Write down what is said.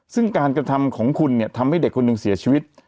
ซึ่งการกระทำของคุณเนี่ยทำให้เด็กคนหนึ่งเสียชีวิต